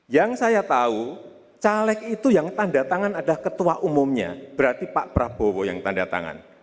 yang saya tahu caleg itu yang tanda tangan ada ketua umumnya berarti pak prabowo yang tanda tangan